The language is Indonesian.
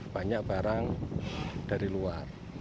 banyak barang dari luar